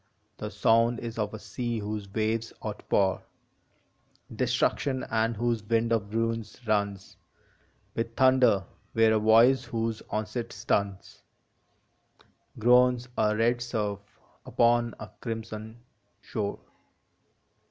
The sound is of a sea whose waves outpour Destruction, and whose wind of ruin runs With thunder, where a voice whose onset stuns Groans a red surf upon a crimson shore.